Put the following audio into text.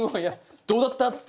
「どうだった？」っつって。